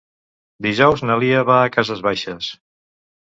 Dijous na Lia va a Cases Baixes.